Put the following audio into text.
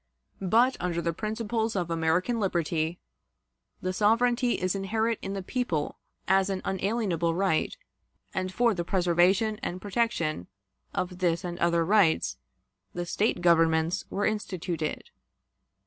But, under the principles of American liberty, the sovereignty is inherent in the people as an unalienable right; and, for the preservation and protection of this and other rights, the State governments were instituted.